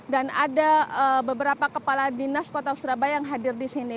dan ada beberapa kepala dinas kota surabaya yang hadir di sini